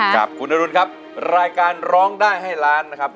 กับคุณอรุณครับรายการร้องได้ให้ล้านนะครับ